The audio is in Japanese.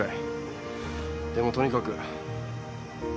でもとにかく。